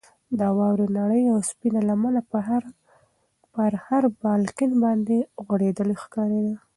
د واورې نرۍ او سپینه لمنه پر هر بالکن باندې غوړېدلې ښکارېده.